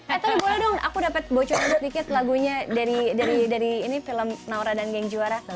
eh tapi boleh dong aku dapat bocok sedikit lagunya dari film naura dan gang juara